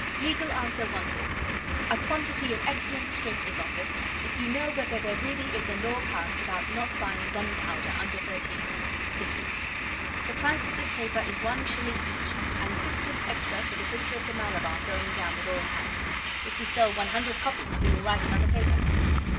LEGAL ANSWER WANTED. A quantity of excellent string is offered if you know whether there really is a law passed about not buying gunpowder under thirteen. DICKY. The price of this paper is one shilling each, and sixpence extra for the picture of the Malabar going down with all hands. If we sell one hundred copies we will write another paper.